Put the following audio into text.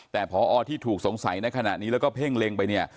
แต่พอที่ถูกสงสัยในขณะนี้แล้วก็เพ่งเล็งไปเนี่ย